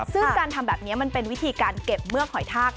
ซึ่งการทำแบบนี้มันเป็นวิธีการเก็บเมือกหอยทาก